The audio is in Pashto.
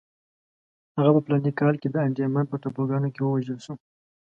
هغه په فلاني کال کې د انډیمان په ټاپوګانو کې ووژل شو.